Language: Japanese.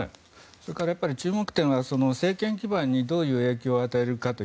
それから注目点は政権基盤にどういう影響を与えるか。